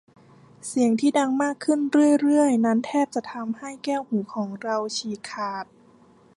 เสียงที่ดังมากขึ้นเรื่อย ๆ นั้นแทบจะทำให้แก้วหูของเราฉีกขาด